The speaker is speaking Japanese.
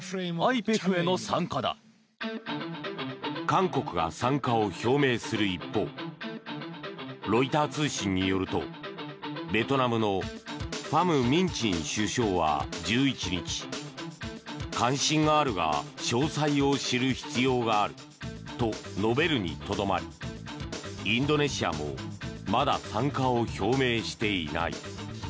韓国が参加を表明する一方ロイター通信によるとベトナムのファム・ミン・チン首相は１１日関心があるが詳細を知る必要があると述べるにとどまりインドネシアもまだ参加を表明していない。